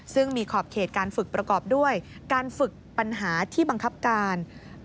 ซึ่งมีขอบเขตการฝึกประกอบด้วยการฝึกปัญหาที่บังคับการ